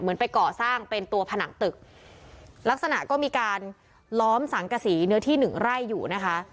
ไปก่อสร้างเป็นตัวผนังตึกลักษณะก็มีการล้อมสังกษีเนื้อที่หนึ่งไร่อยู่นะคะ